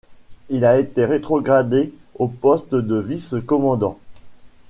Il a été rétrogradé au poste de vice-commandant.